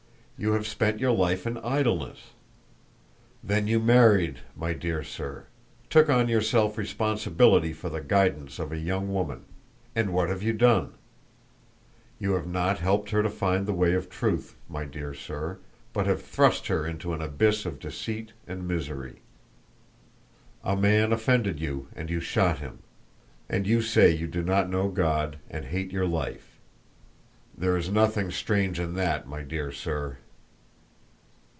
You have spent your life in idleness. Then you married, my dear sir—took on yourself responsibility for the guidance of a young woman; and what have you done? You have not helped her to find the way of truth, my dear sir, but have thrust her into an abyss of deceit and misery. A man offended you and you shot him, and you say you do not know God and hate your life. There is nothing strange in that, my dear sir!"